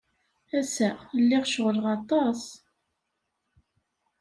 Ass-a, lliɣ ceɣleɣ aṭas.